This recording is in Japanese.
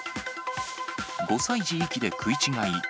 ５歳児遺棄で食い違い。